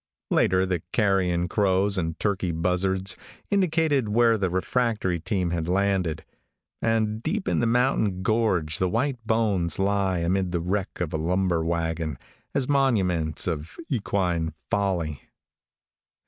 Later, the carrion crows and turkey buzzards indicated where the refractory team had landed; and deep in the mountain gorge the white bones lie amid the wreck of a lumber wagon, as monuments of equine folly.